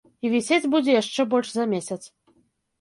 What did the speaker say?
І вісець будзе яшчэ больш за месяц.